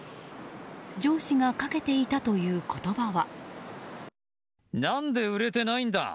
上司がかけていたという言葉は。